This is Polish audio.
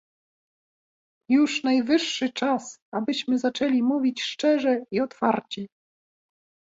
Już najwyższy czas, abyśmy zaczęli mówić szczerze i otwarcie